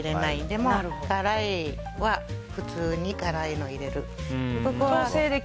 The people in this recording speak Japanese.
でも、辛いは普通に辛いの入れる。